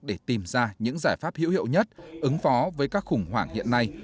để tìm ra những giải pháp hữu hiệu nhất ứng phó với các khủng hoảng hiện nay